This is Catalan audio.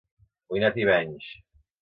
Vull anar a Tivenys